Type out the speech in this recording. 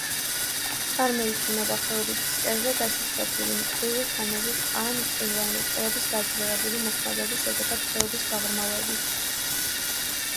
წარმოიქმნება ხეობის ფსკერზე გაშიშვლებული მკვრივი ქანებით ან მყინვარის გაძლიერებული მოქმედების შედეგად ხეობის გაღრმავებით.